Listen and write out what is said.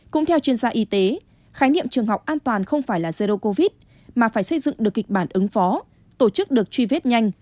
cũng theo chuyên gia y tế khái niệm trường học an toàn không phải là zero covid mà phải xây dựng được kịch bản ứng phó tổ chức được truy vết nhanh